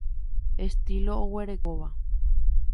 Estilo oguerekóva.